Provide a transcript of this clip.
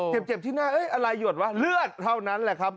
เจ็บที่หน้าอะไรหยดวะเลือดเท่านั้นแหละครับ